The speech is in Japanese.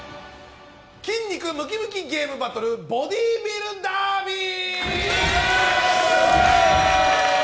筋肉ムキムキゲームバトルボディービルダービー！